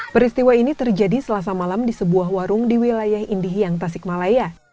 peristiwa ini terjadi selasa malam di sebuah warung di wilayah indihiyang tasikmalaya